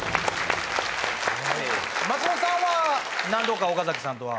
松本さんは何度か岡崎さんとは。